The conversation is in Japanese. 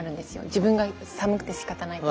自分が寒くてしかたない時。